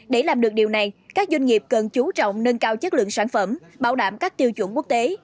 để làm được điều này các doanh nghiệp cần chú trọng nâng cao chất lượng sản phẩm bảo đảm các tiêu chuẩn quốc tế